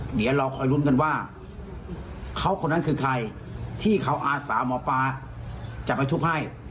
เดี๋ยวเราคอยลุ้นกันว่าเขาคนนั้นคือใครที่เขาอาสาหมอปลาจะไปทุบให้